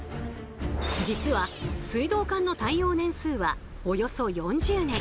実は水道管の耐用年数はおよそ４０年。